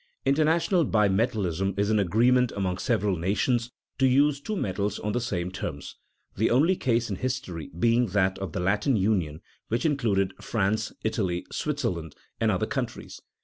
International bimetallism is an agreement among several nations to use two metals on the same terms, the only case in history being that of the Latin Union, which included France, Italy, Switzerland, and other countries.